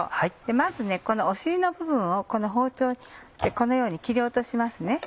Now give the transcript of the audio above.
まずこのお尻の部分を包丁でこのように切り落とします。